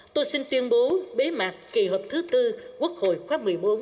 tôi xin tuyên bố bế mạc kỳ họp thứ tư quốc hội khóa một mươi bốn